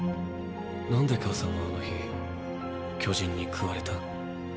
何で母さんはあの日巨人に食われた？